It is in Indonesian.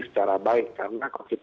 secara baik karena